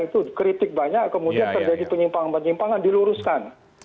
itu kritik banyak kemudian terjadi penyimpanan penyimpanan diluruskan